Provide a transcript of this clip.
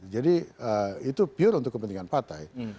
jadi itu pure untuk kepentingan partai